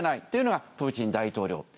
っていうのがプーチン大統領。